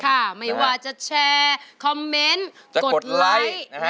ไม่ว่าจะแชร์คอมเมนต์กดไลค์